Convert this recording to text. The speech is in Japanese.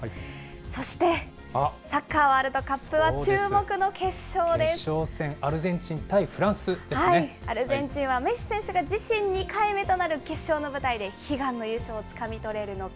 そしてサッカーワールドカップは決勝戦、アルゼンチン対フラアルゼンチンは、メッシ選手が自身２回目となる決勝の舞台で悲願の優勝をつかみ取れるのか。